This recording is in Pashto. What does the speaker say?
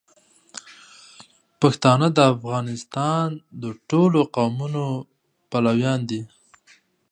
پښتانه د افغانستان د ټولو قومونو پلویان دي.